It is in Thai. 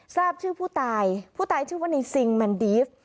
ทราบชื่อผู้ตายผู้ตายชื่อว่าในซิงแมนดีฟ